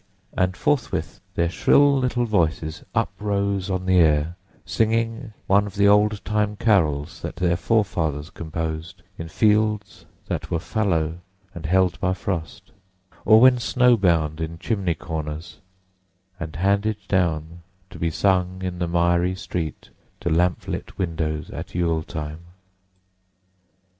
and forthwith their shrill little voices uprose on the air, singing one of the old time carols that their forefathers composed in fields that were fallow and held by frost, or when snow bound in chimney corners, and handed down to be sung in the miry street to lamp lit windows at Yule time.